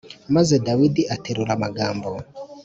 Maze Dawidi aterura amagambo